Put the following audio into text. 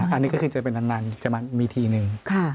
อันนี้ก็จะมีทีนึง